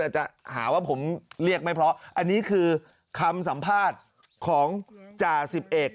แต่จะหาว่าผมเรียกไม่เพราะอันนี้คือคำสัมภาษณ์ของจ่าสิบเอก